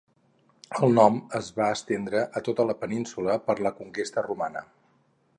El nom es va estendre a tota la península per la conquesta romana.